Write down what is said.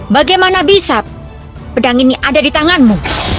bagaimana bisa pedang ini ada di tanganmu